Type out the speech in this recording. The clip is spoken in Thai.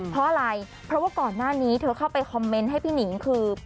เพราะอะไรเพราะว่าก่อนหน้านี้เธอเข้าไปคอมเมนต์ให้พี่หนิงคือ